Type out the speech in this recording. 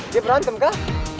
dia berantem kah